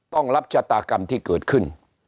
ต้องรับชะตากรรมที่เกิดขึ้น